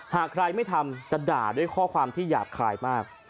หากใครไม่ทำจะด่าด้วยข้อความที่หยาบคายมาก